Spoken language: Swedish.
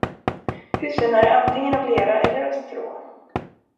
Husen är antingen av lera eller av strå.